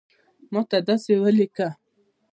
ماته داسی اولیکه